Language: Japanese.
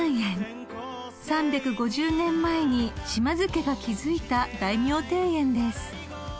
［３５０年前に島津家が築いた大名庭園です］